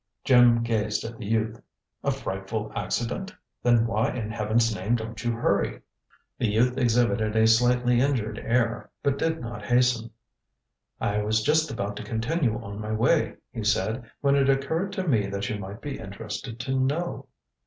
Jim gazed at the youth. "A frightful accident! Then why in Heaven's name don't you hurry?" The youth exhibited a slightly injured air, but did not hasten. "I was just about to continue on my way," he said, "when it occurred to me that you might be interested to know."